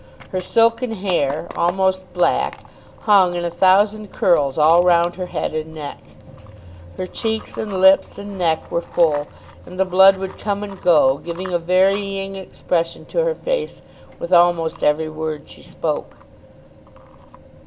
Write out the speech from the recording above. Her silken hair, almost black, hung in a thousand curls all round her head and neck. Her cheeks and lips and neck were full, and the blood would come and go, giving a varying expression to her face with almost every word she spoke.